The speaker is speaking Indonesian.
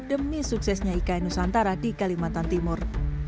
demi suksesnya ikn nusantara di kalimantan timur